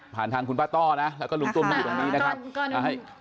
ทางคุณป้าต้อนะแล้วก็ลุงตุ้มอยู่ตรงนี้นะครับ